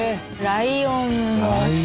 ライオン。